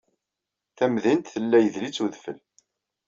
Tamdint tella idel-itt wedfel.